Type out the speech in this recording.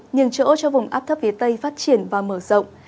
nhường chỗ cho vùng áp thấp phía tây phát triển và mở rộng